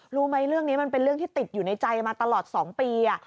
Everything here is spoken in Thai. รู้ไหมเรื่องนี้มันเป็นเรื่องที่ติดอยู่ในใจมาตลอด๒ปี